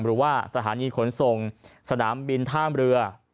หรือว่าสถานีขนส่งสนามบินท่ามเรือ